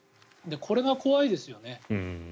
これが怖いですよね。